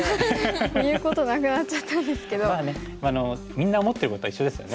みんな思ってることは一緒ですよね。